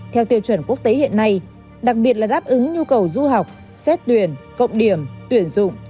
theo tiêu chuẩn quốc tế hiện nay đặc biệt là đáp ứng nhu cầu du học xét tuyển cộng điểm tuyển dụng